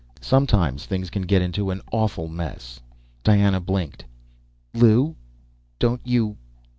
"Sometimes things can get into an awful mess!" Diana blinked. "Lew ... don't you